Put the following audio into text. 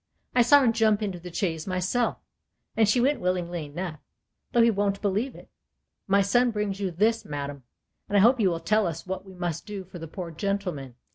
I saw her jump into the chaise myself; and she went willingly enough, though he won't believe it. My son brings you this, madam; and I hope you will tell us what we must do for the poor gentleman.